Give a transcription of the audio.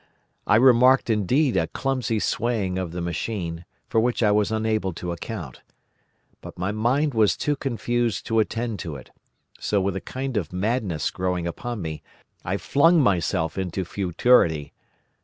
I remarked, indeed, a clumsy swaying of the machine, for which I was unable to account. But my mind was too confused to attend to it, so with a kind of madness growing upon me, I flung myself into futurity.